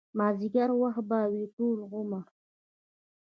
مازديګر وخت به وي ټول عمر